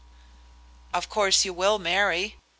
"Of course you will marry?"